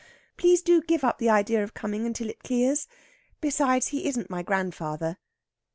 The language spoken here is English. Please do give up the idea of coming until it clears. Besides, he isn't my grandfather."